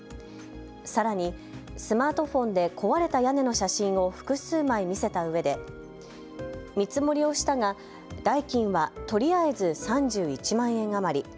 さらにスマートフォンで、壊れた屋根の写真を複数枚見せたうえで見積もりをしたが代金はとりあえず３１万円余り。